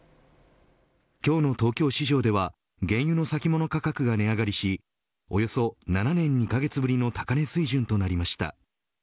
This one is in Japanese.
今日の東京市場では原油の先物価格が値上がりしおよそ７年２カ月ぶりの高値水準となりました。